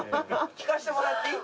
聞かせてもらっていい？